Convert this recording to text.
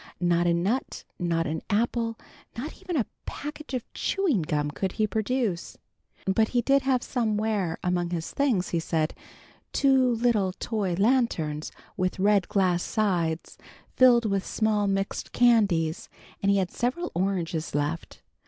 Not a nut, not an apple, not even a package of chewing gum could he produce. But he did have somewhere among his things, he said, two little toy lanterns, with red glass sides, filled with small mixed candies, and he had several oranges left.